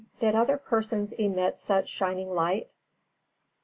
_Did other persons emit such shining light?